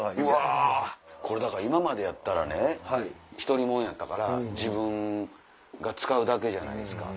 これ今までやったらね独り者やったから自分が使うだけじゃないですか。